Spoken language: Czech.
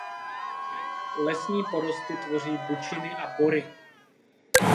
Lesní porosty tvoří bučiny a bory.